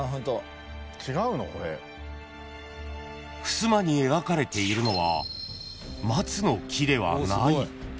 ［ふすまに描かれているのは松の木ではない］